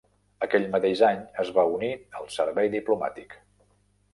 Aquell mateix any es va unir al servei diplomàtic.